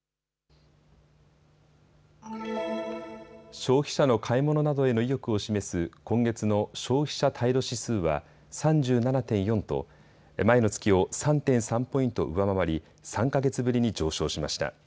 消費者の買い物などへの意欲を示す、今月の消費者態度指数は３７．４と前の月を３．３ポイント上回り３か月ぶりに上昇しました。